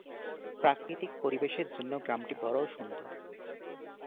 প্রাকৃতিক পরিবেশের জন্য গ্রামটি বড়ো সুন্দর।